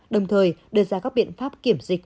đồng thời đưa ra các biện pháp kiểm dịch